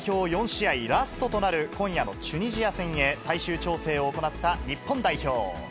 ４試合ラストとなる今夜のチュニジア戦へ、最終調整を行った日本代表。